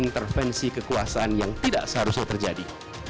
intervensi kekuasaan yang tidak seharusnya terjadi